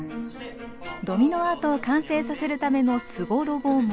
ドミノアートを完成させるための「超絶機巧」も。